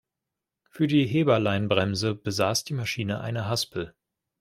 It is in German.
Für die Heberleinbremse besaß die Maschine eine Haspel.